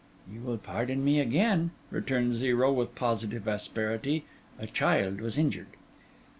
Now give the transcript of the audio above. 'You will pardon me again,' returned Zero with positive asperity: 'a child was injured.